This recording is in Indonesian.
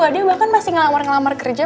dia bahkan masih ngelamar ngelamar kerja